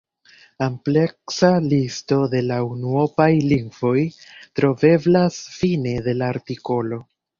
Ampleksa listo de la unuopaj lingvoj troveblas fine de la artikolo.